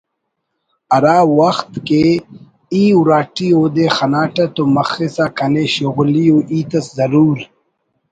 ہرا وخت کہ ای اُوراٹی اودے خناٹہ تو مخسا کنے شغلی ءُ ہیت اس ضرور